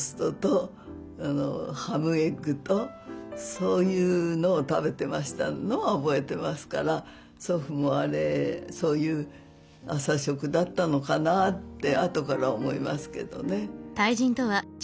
そういうのを食べてましたのは覚えてますから祖父もそういう朝食だったのかなってあとから思いますけどね。